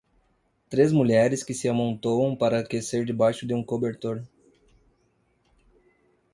Três mulheres que se amontoam para aquecer debaixo de um cobertor.